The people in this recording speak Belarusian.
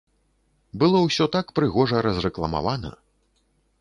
Было ўсё так прыгожа разрэкламавана.